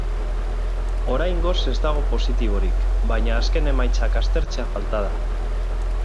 Oraingoz ez dago positiborik, baina azken emaitzak aztertzea falta da.